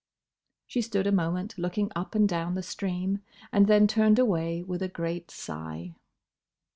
She stood a moment looking up and down the stream, and then turned away with a great sigh.